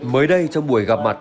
mới đây trong buổi gặp mặt